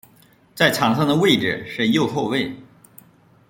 在场上的位置是右后卫。